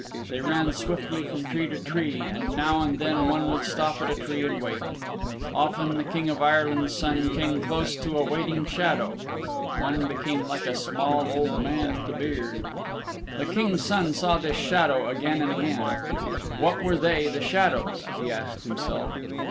They ran swiftly from tree to tree, and now and then one would stop at a tree and wait. Often the King of Ireland's Son came close to a waiting shadow. One became like a small old man with a beard. The King's Son saw this shadow again and again. What were they, the shadows, he asked himself?